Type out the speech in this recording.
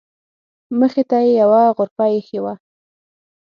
مخې ته یې یوه غرفه ایښې وه.